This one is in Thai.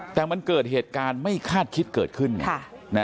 แต่มันเกิดเหตุการณ์ไม่คาดคิดเกิดขึ้น